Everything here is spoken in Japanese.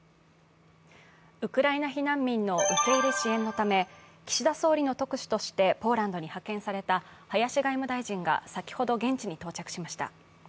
ウクライナ避難民の受け入れ支援のため岸田総理の特使としてポーランドに派遣された林外務大臣が先ほど現地に到着しました。